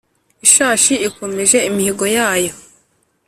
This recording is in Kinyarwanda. Ishashi ikomeje imihigo yayo